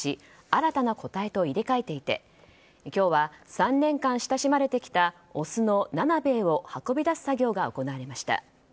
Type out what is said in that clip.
新たな個体と入れ替えていて今日は３年間親しまれてきたオスのナナベエを運び出す作業が行われました。